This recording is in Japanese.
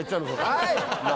はい！